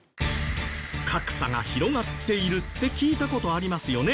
格差が広がっているって聞いた事ありますよね。